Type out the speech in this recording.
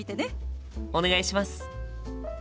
お願いします！